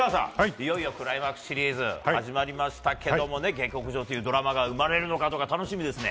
いよいよクライマックスシリーズ始まりましたけれども下克上のドラマが生まれるか楽しみですね。